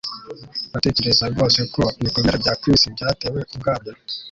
Uratekereza rwose ko ibikomere bya Chris byatewe ubwabyo